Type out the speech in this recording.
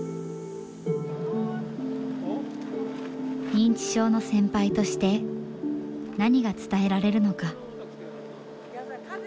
認知症の先輩として何が伝えられるのか。